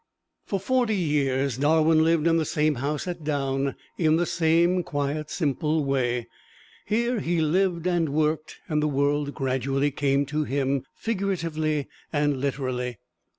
For forty years Darwin lived in the same house at Down, in the same quiet, simple way. Here he lived and worked, and the world gradually came to him, figuratively and literally.